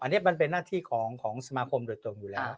อันนี้มันเป็นหน้าที่ของสมาคมโดยตรงอยู่แล้ว